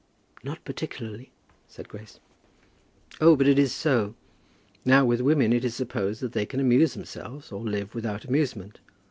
"Not particularly," said Grace. "Oh, but it is so. Now, with women, it is supposed that they can amuse themselves or live without amusement.